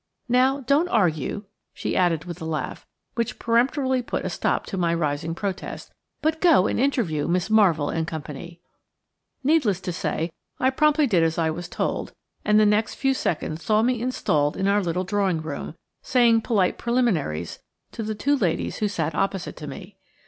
Now, don't argue," she added with a laugh, which peremptorily put a stop to my rising protest, "but go and interview Miss Marvell and Co." Needless to say, I promptly did as I was told, and the next few seconds saw me installed in our little drawing room, saying polite preliminaries to the two ladies who sat opposite to me.